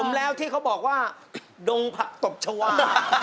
ผมแล้วที่เขาบอกว่าดงผักตบชาวา